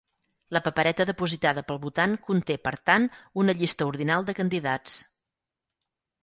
La papereta depositada pel votant conté, per tant, una llista ordinal de candidats.